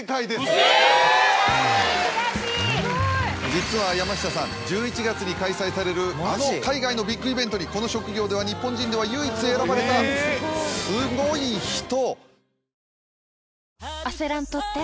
実は山下さん１１月に開催されるあの海外のビッグイベントにこの職業では日本人では唯一選ばれたすごい人！